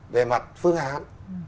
về mặt phương án